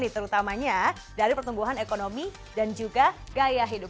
terutamanya dari pertumbuhan ekonomi dan juga gaya hidup